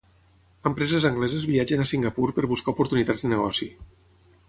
Empreses angleses viatgen a Singapur per buscar oportunitats de negoci.